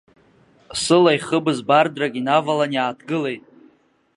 Сыла ихыбыз бардрак инавалан иааҭгылеит.